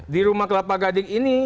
di rumah kelapa gading ini